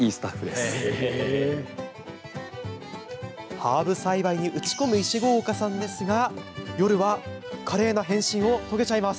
ハーブ栽培に打ち込む石郷岡さんですが夜は華麗な変身を遂げちゃいます。